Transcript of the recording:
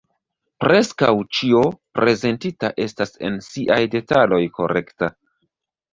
Preskaŭ ĉio prezentita estas en siaj detaloj korekta.